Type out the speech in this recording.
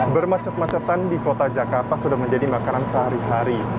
bermacet macetan di kota jakarta sudah menjadi makanan sehari hari